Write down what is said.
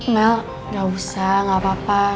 mel gak usah gak apa apa